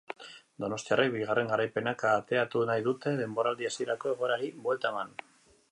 Donostiarrek bigarren garaipena kateatu nahi dute denboraldi hasierako egoerari buelta eman.